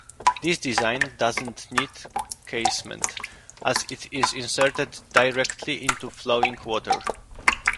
This design doesn't need a casement, as it is inserted directly into flowing water.